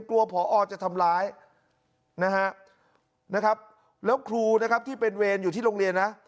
ผอจะทำร้ายนะฮะนะครับแล้วครูนะครับที่เป็นเวรอยู่ที่โรงเรียนนะ